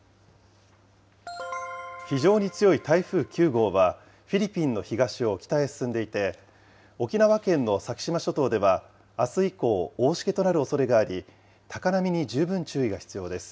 非常に強い台風９号は、フィリピンの東を北へ進んでいて、沖縄県の先島諸島ではあす以降、大しけとなるおそれがあり、高波に十分注意が必要です。